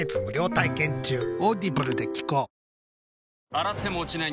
洗っても落ちない